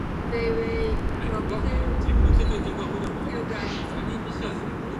They weigh from two to four kilograms.